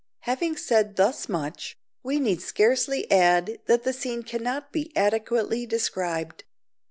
Having said thus much, we need scarcely add that the scene cannot be adequately described.